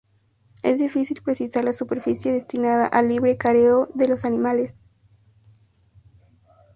Es difícil precisar la superficie destinada al libre careo de los animales.